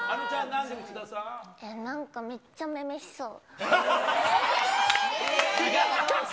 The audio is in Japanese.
なんかめっちゃめめしそう。